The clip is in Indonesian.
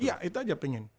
iya itu aja pengen